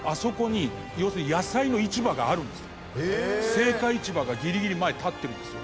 青果市場がギリギリまで立ってるんですよ。